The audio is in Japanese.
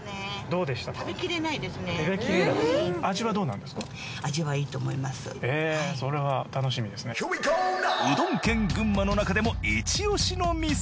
うどん県群馬の中でもイチオシの店。